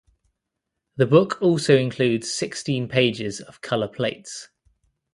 The book also includes sixteen pages of color plates.